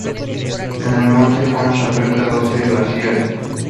El monte Hood alberga doce glaciares.